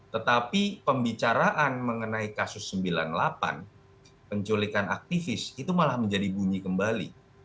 tetapi pembicaraan mengenai kasus sembilan puluh delapan penculikan aktivis itu malah menjadi bunyi kembali